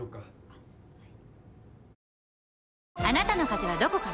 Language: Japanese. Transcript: あっはい。